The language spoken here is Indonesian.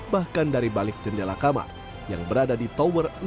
bahkan dari balik jendela kamar yang berada di tower enam